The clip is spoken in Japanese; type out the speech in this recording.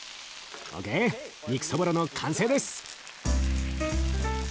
肉そぼろの完成です。